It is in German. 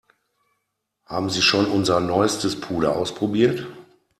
Haben Sie schon unser neuestes Puder ausprobiert?